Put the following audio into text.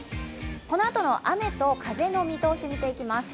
このあとの雨と風の見通しを見ていきます。